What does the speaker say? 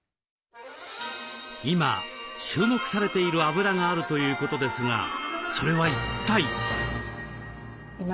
今注目されているあぶらがあるということですがそれは一体？